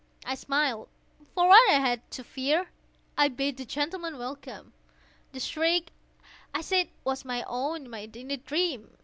I smiled,—for what had I to fear? I bade the gentlemen welcome. The shriek, I said, was my own in a dream.